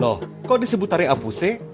loh kok disebut tari ampuse